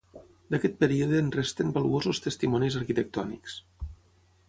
D'aquest període en resten valuosos testimonis arquitectònics.